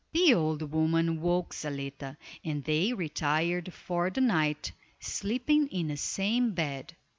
The old woman woke Zaletta, and they retired for the night, sleeping in the same bed.